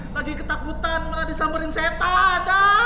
lagi ketakutan menadi samberin setan